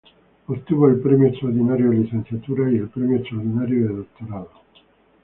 Obtuvo el premio extraordinario de Licenciatura y el premio extraordinario de Doctorado.